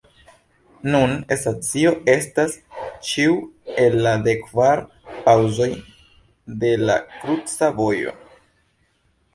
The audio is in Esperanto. Nun stacio estas ĉiu el la dekkvar paŭzoj de la kruca vojo.